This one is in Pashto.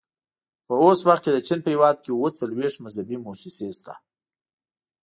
په اوس وخت کې د چین په هېواد کې اووه څلوېښت مذهبي مؤسسې شته.